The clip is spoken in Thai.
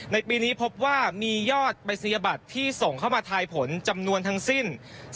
ในปีนี้พบว่ามียอดปริศนียบัตรที่ส่งเข้ามาทายผลจำนวนทั้งสิ้น